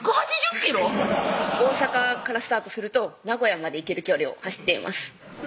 大阪からスタートすると名古屋まで行ける距離を走っています